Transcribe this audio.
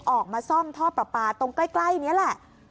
ออกมาซ่อมท่อประปาตรงใกล้นี้แหละ